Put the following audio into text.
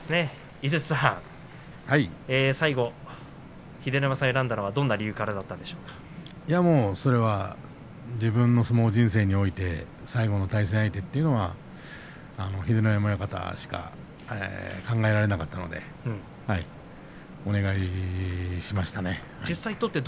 最後、秀ノ山さんを選んだのはそれはもう自分の相撲人生において最後の対戦相手というのは秀ノ山親方しか考えられなかったので、お願いをしました。